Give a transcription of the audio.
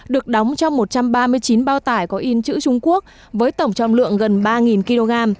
được đóng trong một trăm ba mươi chín bao tải có in chữ trung quốc với tổng trọng lượng gần ba kg